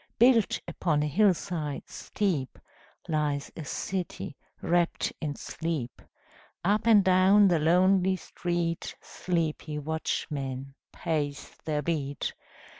Built upon a hill side steep Lies a city wrapt in sleep. Up and down the lonely street Sleepy watchmen pace their beat.